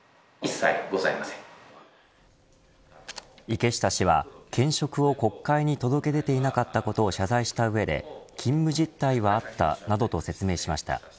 池下氏は兼職を国会に届け出ていなかったことを謝罪した上で勤務実態はあったなどと説明しました。